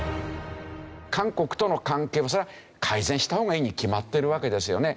韓国との関係をそりゃ改善した方がいいに決まってるわけですよね。